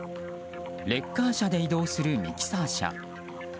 レッカー車で移動するミキサー車。